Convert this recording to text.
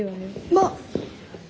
まあ！